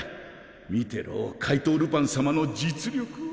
見てろ怪盗ルパン様の実力を。